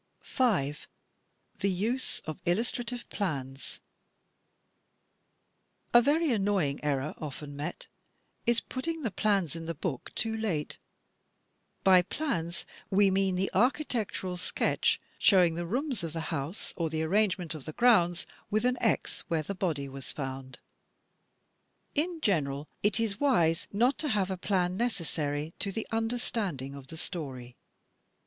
5. The Use oj Illustrative Flans A very annoying error often met, is putting the plans in the book too late. By plans, we mean, the architectural sketch showing the rooms of the house or the arrangement of the groimds, with an X "where the body was foimd." In general, it is wise not to have a plan necessary to the imderstanding of the story.